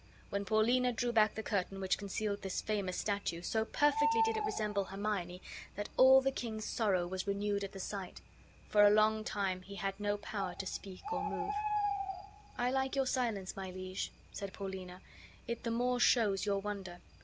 When Paulina drew back the curtain which concealed this famous statue, so perfectly did it resemble Hermione that all the king's sorrow was renewed at the sight; for a long time he had no power to speak or move. "I like your silence, my liege," said Paulina; "it the more shows your wonder.